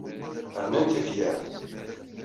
Rnan tifyar.